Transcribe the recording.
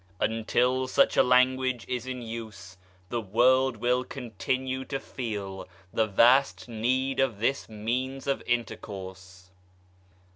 Until such a language is in use, the world will continue to feel the vast need of this means of intercourse.